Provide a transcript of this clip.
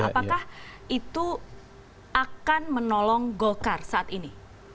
apakah itu akan menolong golkar saat ini